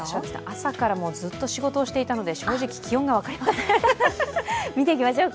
朝からずっと仕事をしていたので、正直、気温が分かりません。